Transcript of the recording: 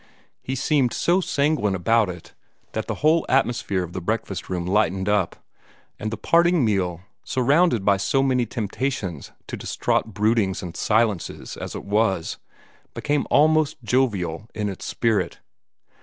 He seemed so sanguine about it that the whole atmosphere of the breakfast room lightened up, and the parting meal, surrounded by so many temptations to distraught broodings and silences as it was, became almost jovial in its spirit.